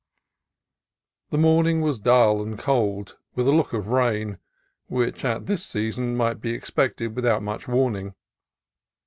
The morning was dull and cold, with a look of rain, which at this sea son might be expected without much warning.